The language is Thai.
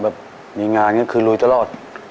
แบบมีงานก็คือลุยตลอด